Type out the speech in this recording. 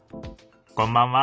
こんばんは。